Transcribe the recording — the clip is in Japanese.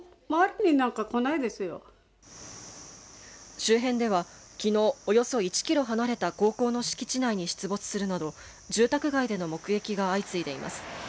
周辺ではきのう、およそ１キロ離れた高校の敷地内に出没するなど住宅内での目撃が相次いでいます。